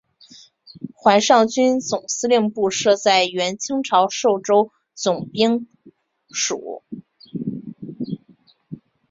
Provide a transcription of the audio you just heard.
淮上军总司令部设在原清朝寿州总兵署。